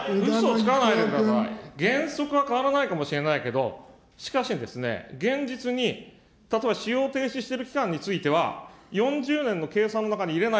原則は変わらないかもしれないけど、しかしですね、現実に、例えば使用停止してる期間については、４０年の計算の中に入れない、